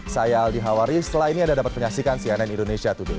saya aldi hawari setelah ini anda dapat menyaksikan cnn indonesia today